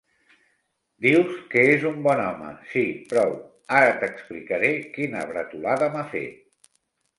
Dius que és un bon home; sí, prou: ara t'explicaré quina bretolada m'ha fet.